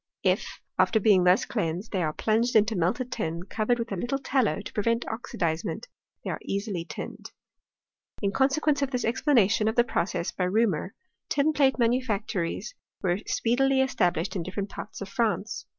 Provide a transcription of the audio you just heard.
If after being thus cleansed they are plunj^ed into melted tin, covered with a little tallow to prevent oxidizement, they are easily tinned. In (consequence of this explanation of the pro(jess by Reaumur, tin plate manufactories were speedily established in different parts of France.